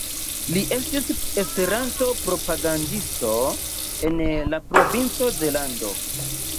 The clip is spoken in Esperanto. Li estis Esperanto-propagandisto en la provinco Zelando.